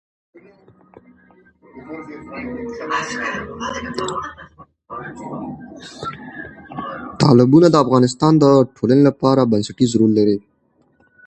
تالابونه د افغانستان د ټولنې لپاره بنسټيز رول لري.